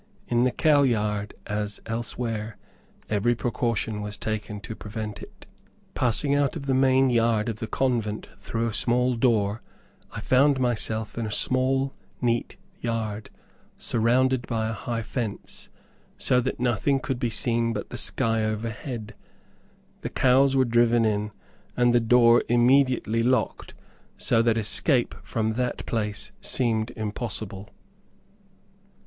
In the cow yard, as elsewhere, every precaution was taken to prevent it. Passing out of the main yard of the convent through a small door, I found myself in a small, neat yard, surrounded by a high fence, so that nothing could be seen but the sky overhead. The cows were driven in, and the door immediately locked, so that escape from that place seemed impossible.